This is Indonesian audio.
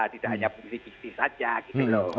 tidak hanya fungsi fisik saja gitu loh